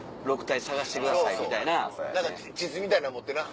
何か地図みたいなん持ってな。